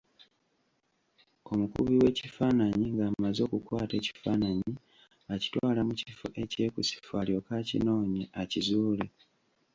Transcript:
Omukubi w'ekifaananyi ng'amaze okukwata ekifaananyi, akitwala mu kifo ekyekusifu alyoke akinoonye, akizuule.